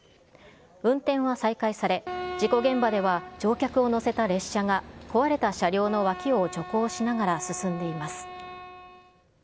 運転は再開され、事故現場では乗客を乗せた列車が、壊れた車両の脇を徐行しながら進んでいます。